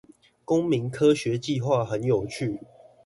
公民科學計畫很有趣